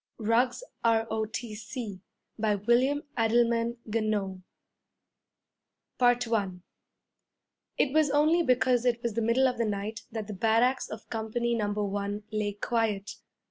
RUGGS R.O.T.C. BY WILLIAM ADDLEMAN GANOE I IT was only because it was the middle of the night that the barracks of Company Number 1 lay quiet.